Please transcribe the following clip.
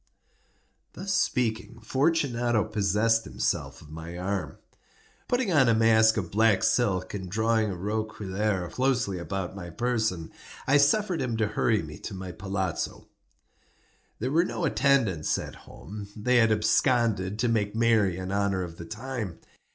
Thus speaking, Fortunato possessed himself of my arm. Putting on a mask of black silk, and drawing a roquelaire closely about my person, I suffered him to hurry me to my palazzo. There were no attendants at home; they had absconded to make merry in honor of the time.